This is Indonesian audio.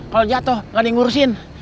kalau jatuh nggak ada yang ngurusin